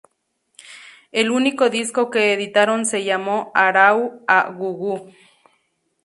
El único disco que editaron se llamó "Arau a go-go.